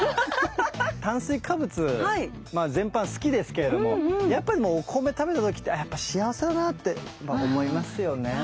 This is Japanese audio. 炭水化物まあ全般好きですけれどもやっぱりもうお米食べた時ってあやっぱ幸せだなって思いますよね。